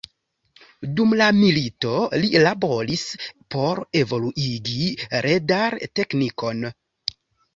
Dum la milito, li laboris por evoluigi radar-teknikon.